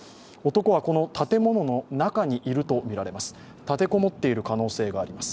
男はこの建物の中にいるとみられます。